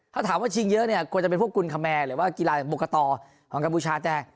ถ้าถามว่าชิงเยอะเนี่ยควรจะเป็นพวกกุลคแมร์หรือว่ากีฬาบุคตของกัมพูชาแต่